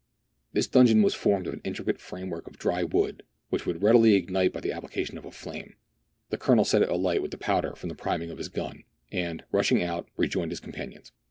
This donjon was formed of an intricate framework of dry wood, which would readily ignite by the application of a flame. The Colonel set it alight with the powder from 2TO mertdiana; the adventures of the priming of his gun, and, rushing out, rejoined his companions.